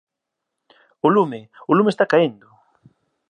O lume, o lume está caendo!